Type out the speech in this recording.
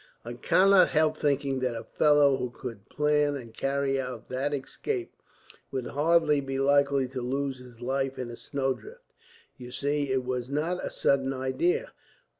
"I cannot help thinking that a fellow who could plan and carry out that escape would hardly be likely to lose his life in a snowdrift. You see, it was not a sudden idea.